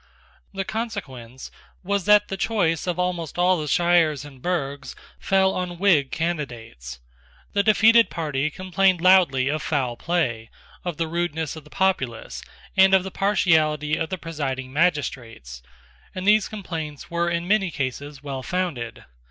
The consequence was that the choice of almost all the shires and burghs fell on Whig candidates. The defeated party complained loudly of foul play, of the rudeness of the populace, and of the partiality of the presiding magistrates; and these complaints were in many cases well founded.